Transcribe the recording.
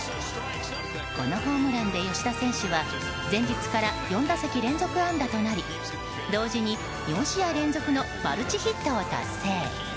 このホームランで、吉田選手は前日から４打席連続安打となり同時に４試合連続のマルチヒットを達成。